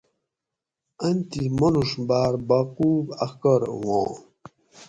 ان تھی مانوڛ باۤر باقوب اخکار ہُواں